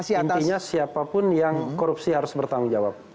intinya siapapun yang korupsi harus bertanggung jawab